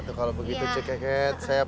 atau kalau begitu sih ke ke sep